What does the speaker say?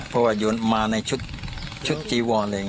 เพราะมันมาในชุดจีวร